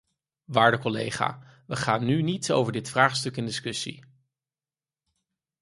Waarde collega, we gaan nu niet over dit vraagstuk in discussie.